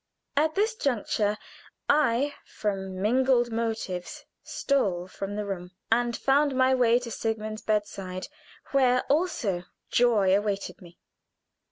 At this juncture I, from mingled motives, stole from the room, and found my way to Sigmund's bedside, where also joy awaited me.